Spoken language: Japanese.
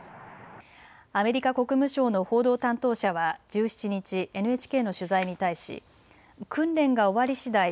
アメリカ国務省の報道担当者は１７日、ＮＨＫの取材に対し訓練が終わりしだい